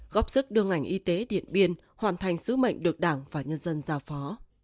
góp sức đưa ngành y tế điện biên hoàn thành sứ mệnh được đảng và nhân dân giao phó